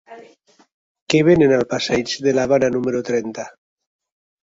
Què venen al passeig de l'Havana número trenta?